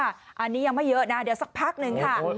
อันนี้ยังไม่เยอะนะเดี๋ยวสักพักหนึ่งค่ะ